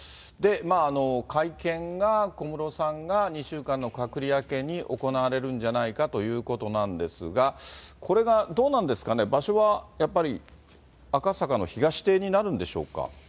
会見が小室さんが２週間の隔離明けに行われんじゃないかということなんですが、これがどうなんですかね、場所はやっぱり、赤坂の東邸になるんでしょうか。